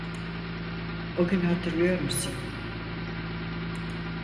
O günü hatırlıyor musun?